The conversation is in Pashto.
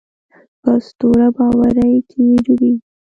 په اسطوره باورۍ کې ډوبېږي.